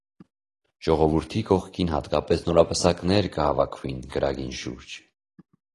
Ժողովուրդի կողքին յատկապէս նորապսակներ կը հաւաքուին կրակին շուրջ։